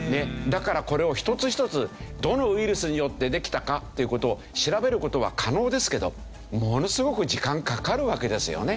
だからこれを一つ一つどのウイルスによってできたかという事を調べる事は可能ですけどものすごく時間かかるわけですよね。